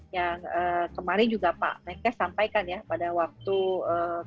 yang kemarin juga pak menkes sampaikan ya pada waktu ee